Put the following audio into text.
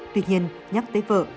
tuy nhiên nhắc tới vợ